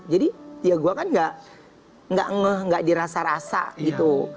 jadi ya gue kan gak ngeh gak dirasa rasa gitu